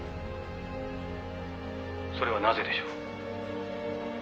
「それはなぜでしょう？」